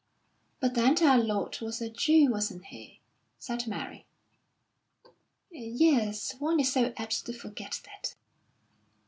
"But then Our Lord was a Jew, wasn't He?" said Mary. "Yes, one is so apt to forget that."